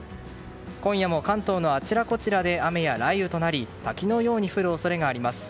今夜も関東のあちらこちらで雨や雷雨となり滝のように降る恐れがあります。